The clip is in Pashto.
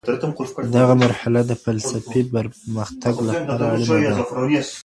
دغه مرحله د فلسفې د پرمختګ لپاره اړينه ده.